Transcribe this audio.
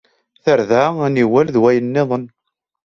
Tarda, aniwel d wayen nniḍen.